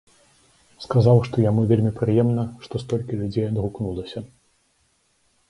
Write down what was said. Сказаў, што яму вельмі прыемна, што столькі людзей адгукнулася.